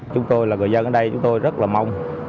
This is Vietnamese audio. chúng tôi là người dân ở đây chúng tôi rất là mong